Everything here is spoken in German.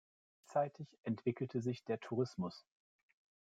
Gleichzeitig entwickelte sich der Tourismus.